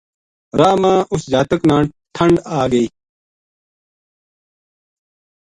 راہ ما اس جاتک نا ٹھنڈآگئی